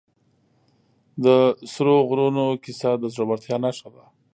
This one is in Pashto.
د سرو غرونو کیسه د زړورتیا نښه ده.